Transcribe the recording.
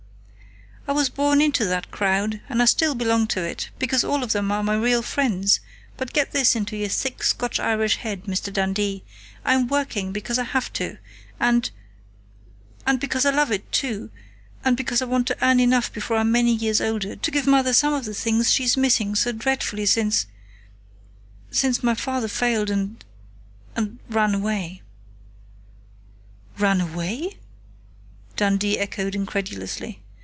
"I was born into that crowd, and I still belong to it, because all of them are my real friends, but get this into your thick Scotch Irish head, Mr. Dundee I'm working because I have to, and and because I love it, too, and because I want to earn enough before I'm many years older to give Mother some of the things she's missing so dreadfully since since my father failed and and ran away." "Ran away?" Dundee echoed incredulously.